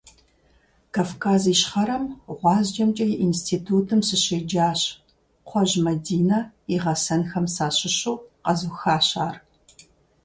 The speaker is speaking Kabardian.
Кавказ Ищхъэрэм ГъуазджэмкӀэ и институтым сыщеджащ, Кхъуэжь Мадинэ и гъэсэнхэм сащыщу къэзухащ ар.